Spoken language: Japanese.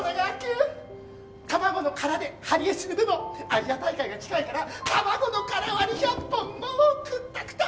卵の殻ではり絵する部もアジア大会が近いから卵の殻割り１００本もうくったくた！